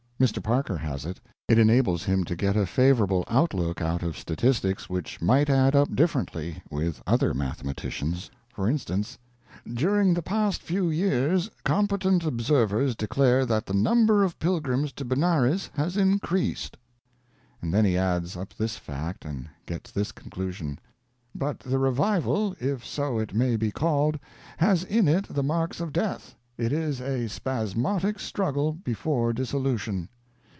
Mr. Parker has it. It enables him to get a favorable outlook out of statistics which might add up differently with other mathematicians. For instance: "During the past few years competent observers declare that the number of pilgrims to Benares has increased." And then he adds up this fact and gets this conclusion: "But the revival, if so it may be called, has in it the marks of death. It is a spasmodic struggle before dissolution."